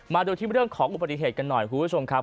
มาดูที่เรื่องของอุบัติเหตุกันหน่อยคุณผู้ชมครับ